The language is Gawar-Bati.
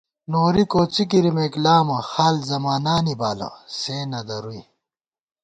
نوری کوڅی گِرِمېک لامہ حال زمانانی بالہ سے نہ درُوئی